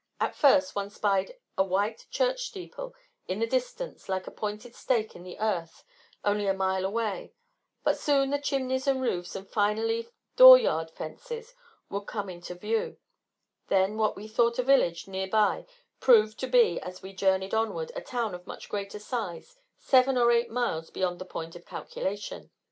At first one spied a white church steeple in the distance like a pointed stake in the earth only a mile away, but soon the chimneys and roofs and finally door yard fences would come into view, then what we thought a village, nearby, proved to be, as we journeyed onward, a town of much greater size seven or eight miles beyond the point of calculation.